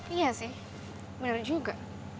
iya sih bener juga